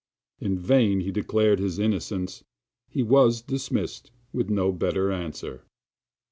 In vain he declared his innocence; he was dismissed with no better answer.